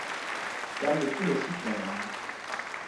jan li kule sitelen e mi.